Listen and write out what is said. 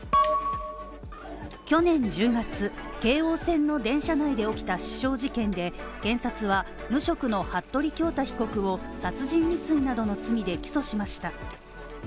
去年１０月、京王線の電車内で起きた刺傷事件で検察は、無職の服部恭太被告を殺人未遂などの罪で起訴しました。